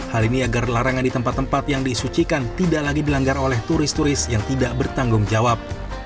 hal ini agar larangan di tempat tempat yang disucikan tidak lagi dilanggar oleh turis turis yang tidak bertanggung jawab